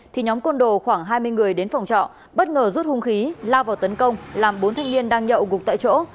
thì nhóm côn đồ khoảng hai mươi người đến phòng trọ bất ngờ rút hung khí lao vào tấn công làm bốn thanh niên đang nhậu gục tại chỗ